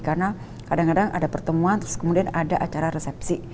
karena kadang kadang ada pertemuan terus kemudian ada acara resepsi